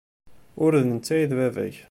Ur d netta ay d baba-k.